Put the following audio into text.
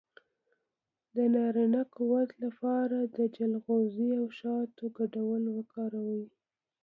د نارینه قوت لپاره د چلغوزي او شاتو ګډول وکاروئ